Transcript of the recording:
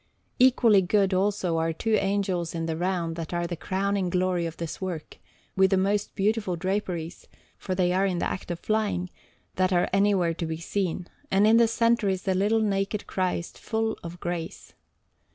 Equally good, also, are two Angels in the round that are the crowning glory of this work, with the most beautiful draperies for they are in the act of flying that are anywhere to be seen; and in the centre is a little naked Christ full of grace.